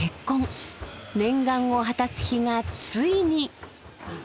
念願を果たす日がついに。